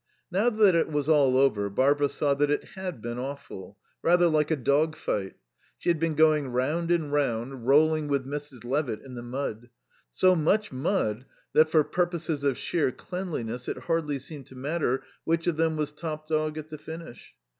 Now that it was all over Barbara saw that it had been awful; rather like a dog fight. She had been going round and round, rolling with Mrs. Levitt in the mud; so much mud that for purposes of sheer cleanliness it hardly seemed to matter which of them was top dog at the finish.